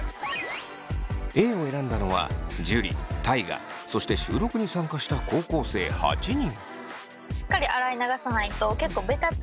Ａを選んだのは樹大我そして収録に参加した高校生８人。